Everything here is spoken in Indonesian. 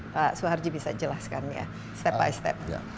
pak suharji bisa jelaskan ya step by step